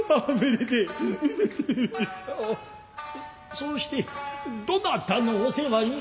そうしてどなたのお世話に。